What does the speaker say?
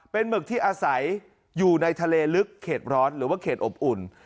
เป็นหมึกที่อาศัยอยู่ในทะเลลึกเขตร้อนหรือว่าเขตอบอุ่น